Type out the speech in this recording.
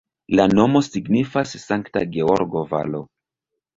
La nomo signifas Sankta Georgo-valo.